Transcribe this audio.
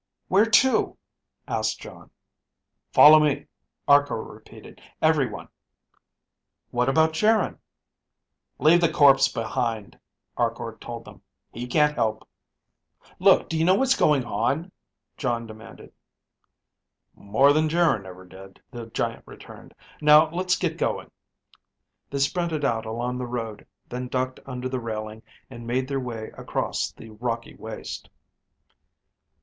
"Where to?" asked Jon. "Follow me," Arkor repeated. "Everyone." "What about Geryn?" "Leave that corpse behind," Arkor told them. "He can't help." "Look, do you know what's going on?" Jon demanded. "More than Geryn ever did," the giant returned. "Now let's get going." They sprinted out along the road, then ducked under the railing and made their way across the rocky waste.